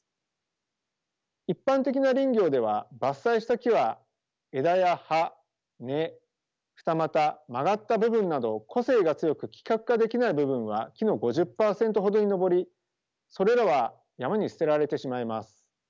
一般的な林業では伐採した木は枝や葉根二股曲がった部分など個性が強く規格化できない部分は木の５０％ほどに上りそれらは山に捨てられてしまいます。